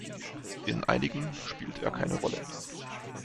In einigen spielt er keine Rolle.